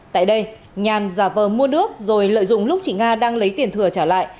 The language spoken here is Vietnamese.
tại đây nhàn giả vờ mua nước rồi lợi dụng lúc chị nga đang lấy tiền thừa trả lại